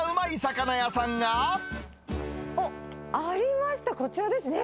おっ、ありました、こちらですね。